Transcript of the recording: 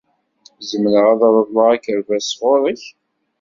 Zemreɣ ad reḍleɣ akerbas sɣur-k?